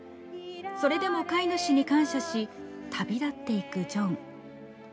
それでも飼い主に感謝し旅立っていくジョン。